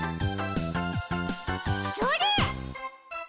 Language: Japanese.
それ！